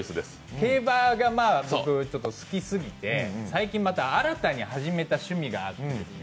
競馬が好きすぎて最近新たに始めた趣味があるんです。